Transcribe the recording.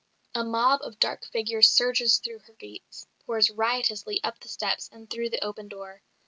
A mob of dark figures surges through her gates, pours riotously up the steps and through the open door.